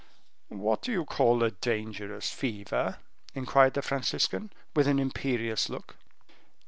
"What do you call a dangerous fever?" inquired the Franciscan, with an imperious look.